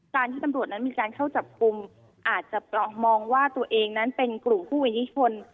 การที่ตำรวจนั้นมีการเข้าจับกลุ่มอาจจะมองว่าตัวเองนั้นเป็นกลุ่มผู้อิทธิชน